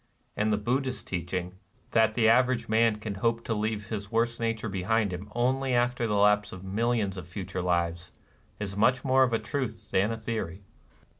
And the Buddhist teaching, that the average man can hope to leave his worse nature behind him only after the lapse of mil lions of future lives, is much more of a truth than of a theory.